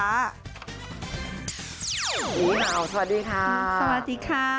สวัสดีค่ะ